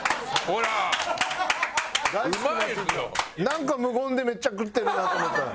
なんか無言でめっちゃ食ってるなと思ったら。